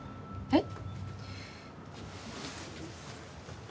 えっ？